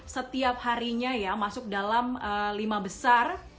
setiap harinya ya masuk dalam lima besar